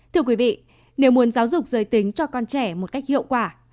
thưa quý vị nếu muốn giáo dục giới tính cho con trẻ một cách hiệu quả